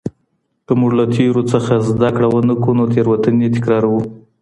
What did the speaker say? که موږ له تېرو څخه زده کړه و نه کړو نو تېروتنې تکراروو.